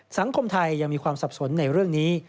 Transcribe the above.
สังคมไทยยังมีความสับสนในเรื่องนี้